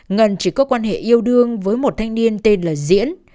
ngân chỉ có quan hệ yêu đương với một thanh niên tên là diễn